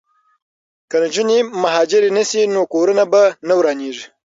که نجونې مهاجرې نه شي نو کورونه به نه ورانیږي.